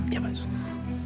iya pak suki